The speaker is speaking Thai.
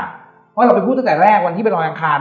เพราะเราไปพูดตั้งแต่แรกวันที่ไปรอยอังคาร